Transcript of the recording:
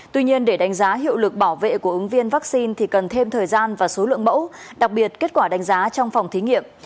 tuy nhiên để đánh giá hiệu lực bảo vệ của ứng viên vaccine thì cần thêm thời gian và số lượng mẫu đặc biệt kết quả đánh giá trong phòng thí nghiệm